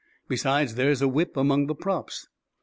Besides, there's a whip among the props."